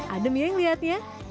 adem ya yang liatnya